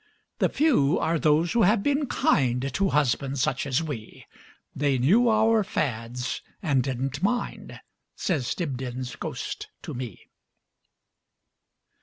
The few are those who have been kind To husbands such as we: They knew our fads and didn't mind Says Dibdin's ghost to me.